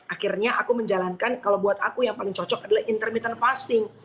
akhirnya aku menjalankan kalau buat aku yang paling cocok adalah intermittent fasting